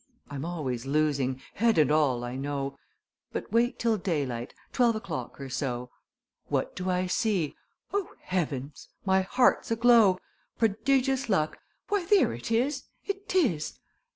I'm always losing head and all, I know: But wait till daylight, twelve o'clock or so! What do I see? O, heavens, my heart's aglow: Prodigious luck ! Why, there it is, it is!